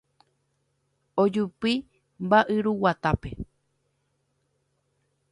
Ojupi mba'yruguatápe.